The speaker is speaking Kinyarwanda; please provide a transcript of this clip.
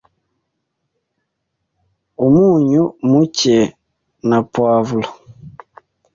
umunyu muke na poivre